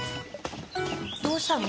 どうしたの？